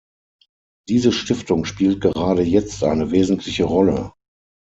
Diese Stiftung spielt gerade jetzt eine wesentliche Rolle.